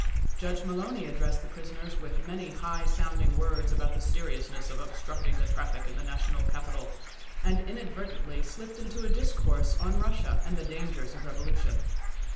Judge Mullowny addressed the prisoners with many high sounding words about the seriousness of obstructing the traffic in the national capital, and inadvertently slipped into a discourse on Russia, and the dangers of revolution.